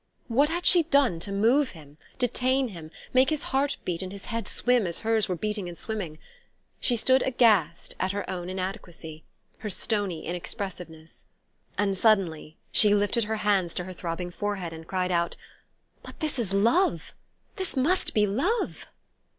What had she done to move him, detain him, make his heart beat and his head swim as hers were beating and swimming? She stood aghast at her own inadequacy, her stony inexpressiveness.... And suddenly she lifted her hands to her throbbing forehead and cried out: "But this is love! This must be love!"